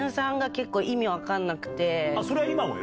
それは今もよ。